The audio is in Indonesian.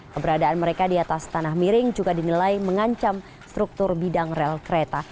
keberadaan mereka di atas tanah miring juga dinilai mengancam struktur bidang rel kereta